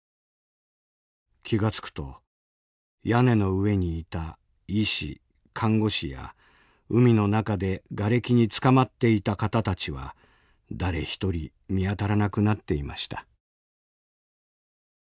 気がつくと屋根の上にいた医師・看護師や海の中でがれきにつかまっていた方たちは誰一人見当たらなくなっていました」。